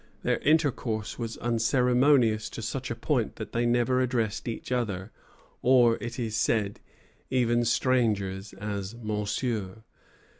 Their intercourse was unceremonious to such a point that they never addressed each other, or, it is said, even strangers, as monsieur.